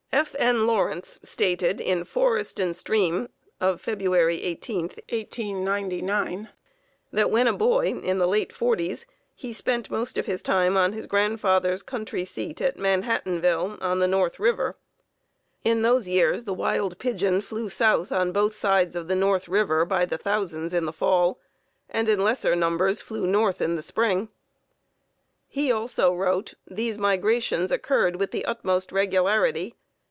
F. N. Lawrence stated in Forest and Stream of February 18, 1899, that when a boy, in the late forties, he spent most of his time on his grandfather's country seat at Manhattanville, on the North River. In those years the wild pigeon flew south on both sides of the North River by the thousands in the fall, and in lesser numbers flew north in the spring. He also wrote: "These migrations occurred with the utmost regularity.